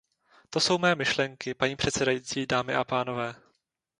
To jsou mé myšlenky, paní předsedající, dámy a pánové.